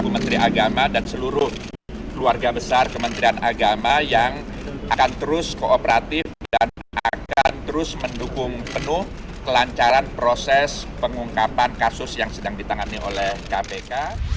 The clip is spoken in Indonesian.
menteri agama dan seluruh keluarga besar kementerian agama yang akan terus kooperatif dan akan terus mendukung penuh kelancaran proses pengungkapan kasus yang sedang ditangani oleh kpk